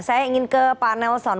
saya ingin ke pak nelson